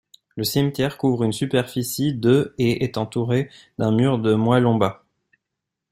Le cimetière couvre une superficie de et est entouré d'un mur de moellons bas.